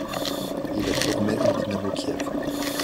Il est formé au Dynamo Kiev.